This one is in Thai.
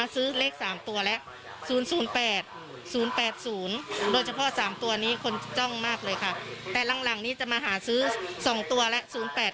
เลขเจ็ดตัวเดียวค่ะส่วนแม่นั้นก็คือเขย่าได้ได้เลขสิบเจ็ด